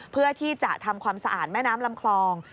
เพื่อที่จะทำความสะอาดแม่น้ำลำคลอง